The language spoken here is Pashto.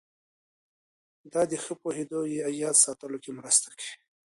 دا د ښه پوهېدو او یاد ساتلو کې مرسته کوي.